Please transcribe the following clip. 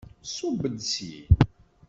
Ṣubb-d syin!